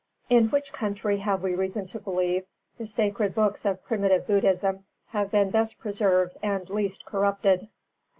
_In which country have we reason to believe the sacred books of primitive Buddhism have been best preserved and least corrupted?